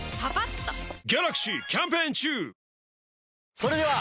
それでは！